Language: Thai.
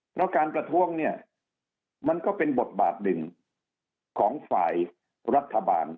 เพราะการประท้วงเนี่ยมันก็เป็นบทบาทหนึ่งของฝ่ายรัฐบาล